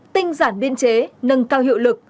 tinh giản biên chế nâng cao hiệu lực